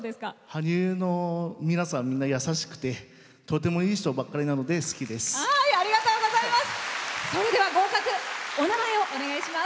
羽生の皆さん、みんな優しくてとてもいい人ばかりなのでお名前をお願いします。